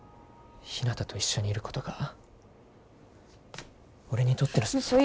ひなたと一緒にいることが俺にとっての。